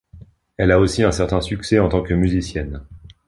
Elle a aussi un certain succès en tant que musicienne.